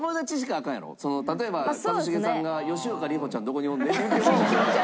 例えば一茂さんが「吉岡里帆ちゃんどこにおんねん？」